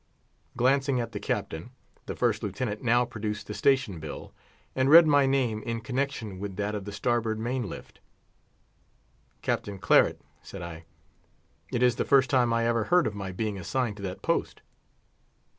Glancing at the Captain, the First Lieutenant now produced the Station Bill, and read my name in connection with that of the starboard main lift. "Captain Claret," said I, "it is the first time I ever heard of my being assigned to that post."